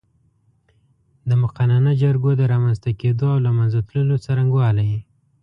د مقننه جرګو د رامنځ ته کېدو او له منځه تللو څرنګوالی